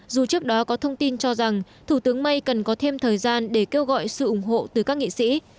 dù trước đó có thông tin cho rằng thủ tướng may cần có thêm thời gian để kêu gọi sự ủng hộ từ các nghị sĩ